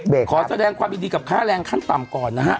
ขอแสดงความยินดีกับค่าแรงขั้นต่ำก่อนนะฮะ